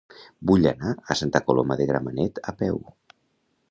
Vull anar a Santa Coloma de Gramenet a peu.